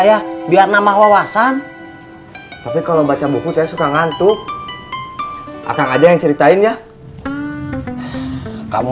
ayah biar nama wawasan tapi kalau baca buku saya suka ngantuk akan aja yang ceritain ya kamu